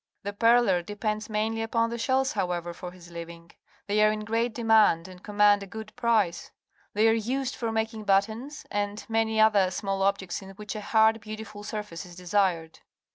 The pearler depends mainly upon the shells, however, for his living. They are in great demand and command a good price. They are used for making buttons and many other small objects in which a hard, beautiful surface is desired.